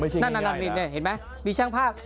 หน้านานวินเนี่ยเห็นมั้ยมีช่างภาพ